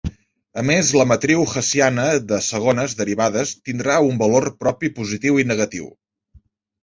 A més, la matriu hessiana de segones derivades tindrà un valor propi positiu i negatiu.